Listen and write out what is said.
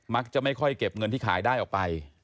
จะไม่ค่อยเก็บเงินที่ขายได้ออกไป